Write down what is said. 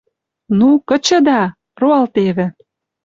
— Ну, кычыда! — Роалтевӹ.